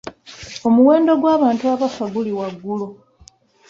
Omuwendo gw'abantu abafa guli waggulu.